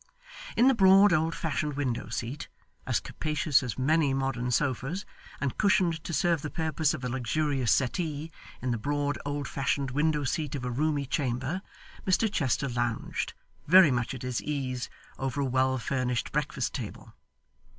In the broad old fashioned window seat as capacious as many modern sofas, and cushioned to serve the purpose of a luxurious settee in the broad old fashioned window seat of a roomy chamber, Mr Chester lounged, very much at his ease, over a well furnished breakfast table.